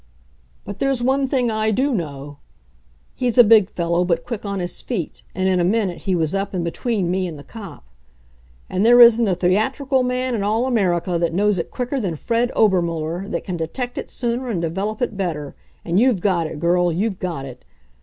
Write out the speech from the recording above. "But there's one thing I do know!" He's a big fellow but quick on his feet, and in a minute he was up and between me and the cop. "And there isn't a theatrical man in all America that knows it quicker than Fred Obermuller, that can detect it sooner and develop it better. And you've got it, girl, you've got it!